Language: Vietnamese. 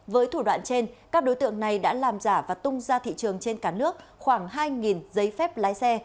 với thủ đoạn trên các đối tượng này đã làm giả và tung ra thị trường trên cả nước khoảng hai giấy phép lái xe